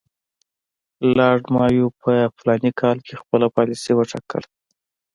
لارډ مایو په فلاني کال کې خپله پالیسي وټاکله.